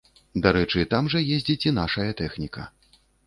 Дарэчы, там жа ездзіць і нашая тэхніка.